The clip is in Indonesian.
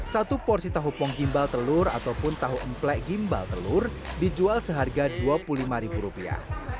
satu porsi tahu pong gimbal telur ataupun tahu emplek gimbal telur dijual seharga dua puluh lima ribu rupiah